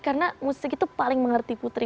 karena musik itu paling mengerti putri